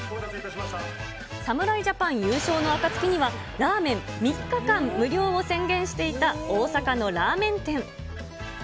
侍ジャパン優勝の暁には、ラーメン３日間無料を宣言していた大阪のラーメン店。